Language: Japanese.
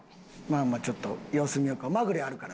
まあまあちょっと様子見ようか。